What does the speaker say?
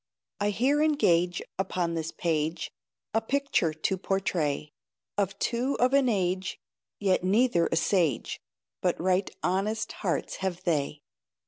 I here engage Upon this page A picture to portray, Of two of an age Yet neither a sage, But right honest hearts have they.